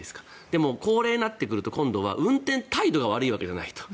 でも、高齢になってくると今度は運転態度が悪いわけじゃないと。